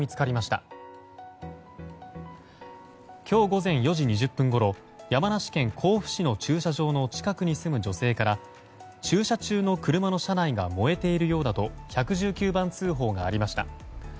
今日午前４時２０分ごろ山梨県甲府市の駐車場の近くに住む女性から駐車中の車の車内が燃えているようだと１１９番通報がありました。